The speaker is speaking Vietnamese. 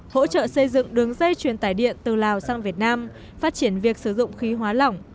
hỗ trợ xây dựng đường dây truyền tải điện từ lào sang việt nam phát triển việc sử dụng khí hóa lỏng